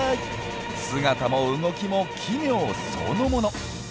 姿も動きも奇妙そのもの。